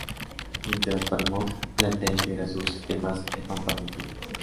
Mientras Paramount, plantea integrar sus sistemas al Pampa argentino.